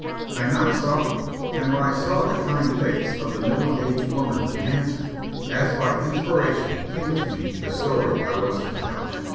I knocked softly, and when I saw the kind face of the middle aged woman who answered, as by inspiration came to me the "story" I was to tell.